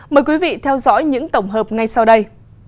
mời quý vị theo dõi những tổng hợp ngay sau đây